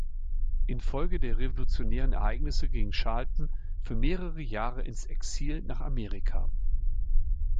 Infolge der revolutionären Ereignisse ging Carleton für mehrere Jahre ins Exil nach Amerika.